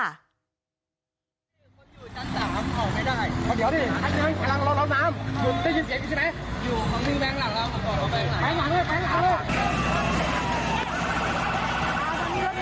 ระเบียบ